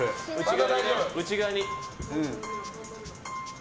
内側に。